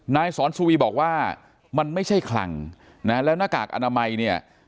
นายสอนสุวีบอกว่ามันไม่ใช่คลังนะแล้วหน้ากากอนามัยเนี่ย